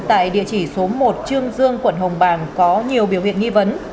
tại địa chỉ số một trương dương quận hồng bàng có nhiều biểu hiện nghi vấn